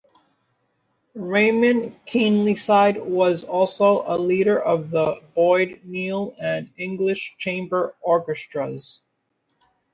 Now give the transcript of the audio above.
Raymond Keenlyside was also a leader of the Boyd Neel and English Chamber Orchestras.